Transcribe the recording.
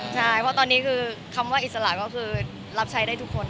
ใช่เพราะตอนนี้คือคำว่าอิสระก็คือรับใช้ได้ทุกคน